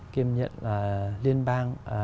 kiêm nhận liên bang